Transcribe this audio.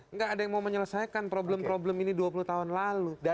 nggak ada yang mau menyelesaikan problem problem ini dua puluh tahun lalu